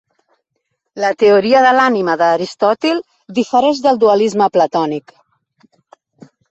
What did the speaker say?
La teoria de l'ànima d'Aristòtil difereix del dualisme platònic.